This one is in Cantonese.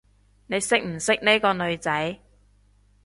你識唔識呢個女仔？